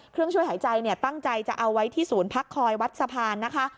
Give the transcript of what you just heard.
เครื่องช่วยหายใจเนี่ยตั้งใจจะเอาไว้ที่ศูนย์พักคอยวัดสะพานนะคะ